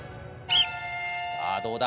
さあどうだ？